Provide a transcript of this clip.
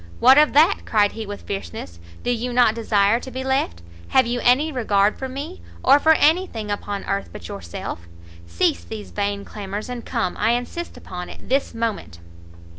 "What of that?" cried he with fierceness, "do you not desire to be left? have you any regard for me? or for any thing upon earth but yourself! cease these vain clamours, and come, I insist upon it, this moment."